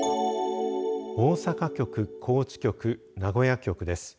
大阪局、高知局、名古屋局です。